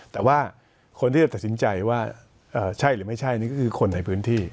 แต่ว่าคนที่จะตัดสินใจว่าใช่หรือไม่ใช่นี่ก็คือคนในพื้นที่